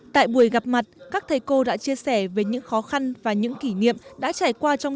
tại buổi gặp mặt các thầy cô đã chia sẻ về những khó khăn và những kỷ niệm đã trải qua trong